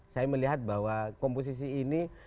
saya melihat bahwa komposisi ini